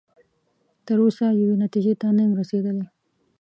تر اوسه یوې نتیجې ته نه یم رسیدلی.